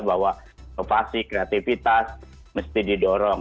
bahwa inovasi kreativitas mesti didorong